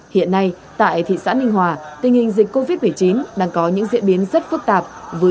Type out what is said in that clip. hiện nay tại thị xã ninh hòa tình hình dịch covid một mươi chín đang có những diễn biến rất phức tạp